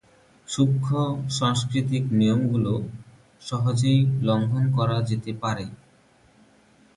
সূক্ষ্ম সাংস্কৃতিক নিয়মগুলো সহজেই লঙ্ঘন করা যেতে পারে।